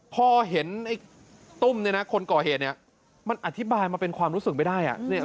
พ่อเห็นตุ้มนะครับคนก่อเหนี่ยมันอธิบายมาเป็นความรู้สึกไม่ได้อ่ะ